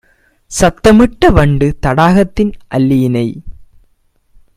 சத்தமிட்ட வண்டு தடாகத்தின் அல்லியினை